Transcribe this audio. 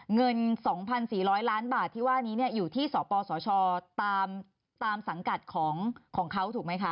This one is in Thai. เงิน๒๔๐๐ล้านบาทที่ว่านี้อยู่ที่สปสชตามสังกัดของเขาถูกไหมคะ